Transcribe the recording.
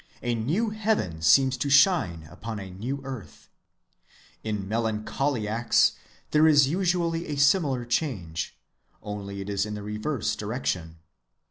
A new heaven seems to shine upon a new earth. In melancholiacs there is usually a similar change, only it is in the reverse direction.